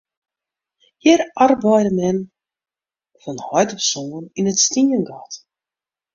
Hjir arbeide men fan heit op soan yn it stiengat.